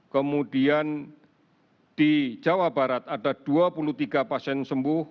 kemudian di jawa barat ada dua puluh tiga pasien sembuh